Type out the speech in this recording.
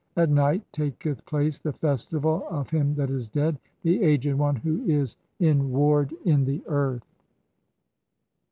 At night taketh "place the festival of him that is dead, the Aged One, who is "in ward [in] the earth."